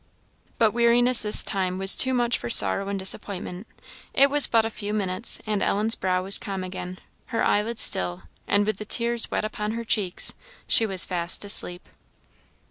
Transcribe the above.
But weariness this time was too much for sorrow and disappointment. It was but a few minutes, and Ellen's brow was calm again, and her eyelids still, and, with the tears wet upon her cheeks, she was fast asleep.